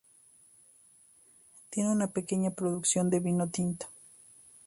Tiene una pequeña producción de vino tinto.